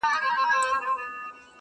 • پکښي لوښي د لکونو دي زعفران دي -